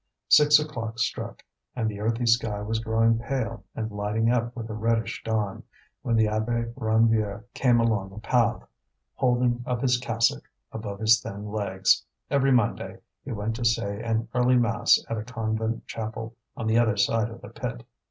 Six o'clock struck, and the earthy sky was growing pale and lighting up with a reddish dawn, when the Abbé Ranvier came along a path, holding up his cassock above his thin legs. Every Monday he went to say an early mass at a convent chapel on the other side of the pit.